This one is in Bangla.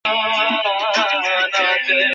আমার কাজ শেষ, বাকিটা ওরা দেখবে।